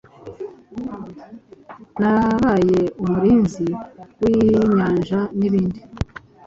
nabaye umurinzi winyanjanibindi